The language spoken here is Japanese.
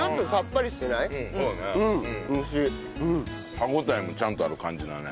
歯応えもちゃんとある感じだね。